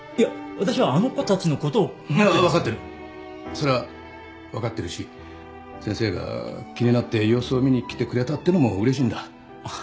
それは分かってるし先生が気になって様子を見に来てくれたってのもうれしいんだ。